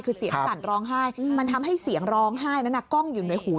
คือเสียงสั่นร้องไห้มันทำให้เสียงร้องไห้นั้นกล้องอยู่ในหู